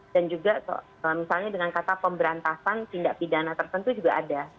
juga misalnya dengan kata pemberantasan tindak pidana tertentu juga ada